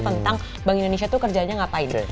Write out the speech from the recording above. tentang bank indonesia tuh kerjanya ngapain